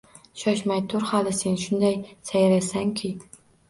Shoshmay tur, hali sen shunday sayraysan-ki